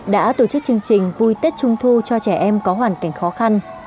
đã tổ chức chương trình vui tết trung thu cho trẻ em có hoàn cảnh khó khăn